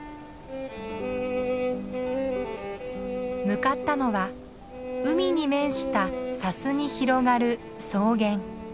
向かったのは海に面した砂州に広がる草原。